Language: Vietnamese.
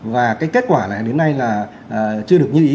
và cái kết quả này đến nay là chưa được như ý